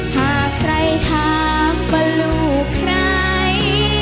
หากใครถามว่าลูกใคร